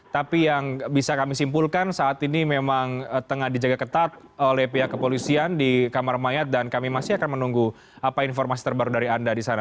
tapi yang bisa kami simpulkan saat ini memang tengah dijaga ketat oleh pihak kepolisian di kamar mayat dan kami masih akan menunggu apa informasi terbaru dari anda di sana